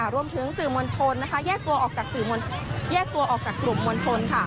รวมถึงสื่อมวลชนแยกตัวออกจากกลุ่มมวลชน